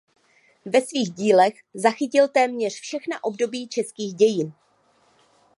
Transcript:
Ve svých dílech zachytil téměř všechna období českých dějin.